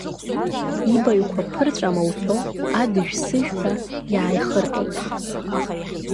Ибаҩқәа ԥырҵәама уҳәо, адыжә-сыжә ҳәа иааихырҟьеит.